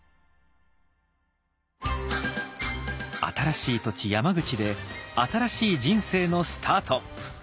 新しい土地山口で新しい人生のスタート。